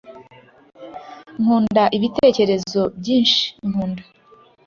nkunda ibitekerezo byinshi nkunda.